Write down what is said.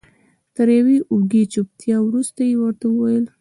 تر یوې اوږدې چوپتیا وروسته یې ورته وویل.